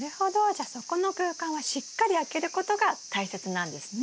じゃあそこの空間はしっかり空けることが大切なんですね。